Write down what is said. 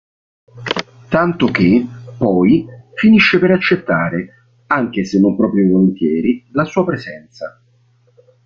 Tanto che, poi, finisce per accettare, anche se non proprio volentieri, la sua presenza.